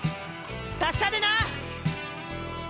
達者でな！